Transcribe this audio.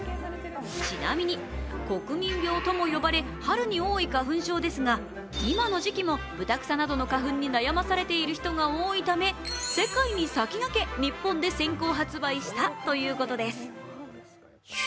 ちなみに、国民病とも呼ばれ、春に多い花粉症ですが、今の時期もブタクサなどの花粉に悩まされている人が多いため、世界に先駆け日本で先行発売したということです。